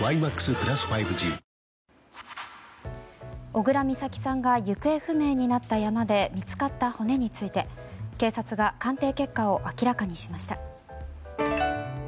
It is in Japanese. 小倉美咲さんが行方不明になった山で見つかった骨について警察が鑑定結果を明らかにしました。